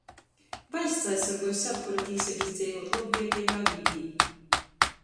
Vaļsts aizsorgoj sevkura tīseibys dzeivuot lobvieleigā vidē,